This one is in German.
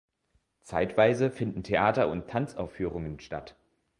Zeitweise finden Theater- und Tanzaufführungen statt.